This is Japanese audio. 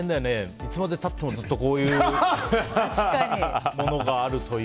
いつまで経ってもずっとこういうものがあるという。